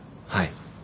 はい。